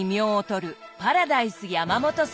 パラダイス山元さん。